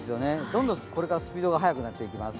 どんどんこれからスピードが速くなっていきます。